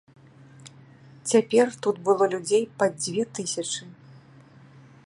Цяпер тут было людзей пад дзве тысячы.